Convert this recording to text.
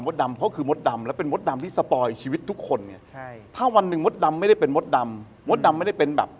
เพราะเขาเป็นคนที่ให้อย่างบางที่แบบ